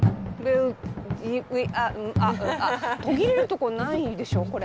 途切れるとこないでしょこれ。